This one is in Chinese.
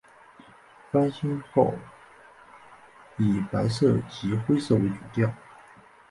翻新后以白色及灰色为主调。